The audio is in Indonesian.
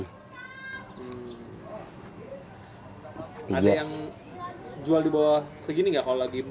ada yang jual di bawah segini nggak kalau lagi